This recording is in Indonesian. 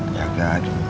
jaga adik adik baik baik